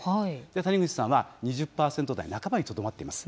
谷口さんは２０％台半ばにとどまっています。